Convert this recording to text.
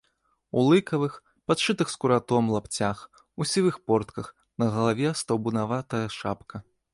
У лыкавых, падшытых скуратом, лапцях, у сівых портках, на галаве стаўбунаватая шапка.